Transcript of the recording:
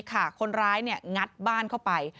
คนร้ายงัดบ้านเข้าไป